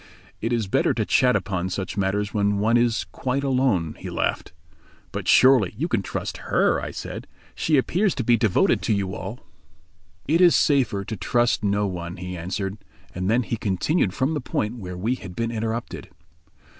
"It is better to chat upon such matters when one is quite alone," he laughed. "But surely you can trust her," I said, "She appears to be devoted to you all." "It is safer to trust no one," he answered. And then he continued from the point where we had been interrupted.